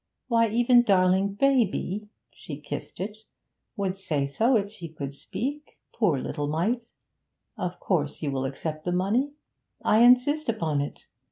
Why, even darling baby' she kissed it 'would say so if she could speak, poor little mite. Of course you will accept the money; I insist upon it.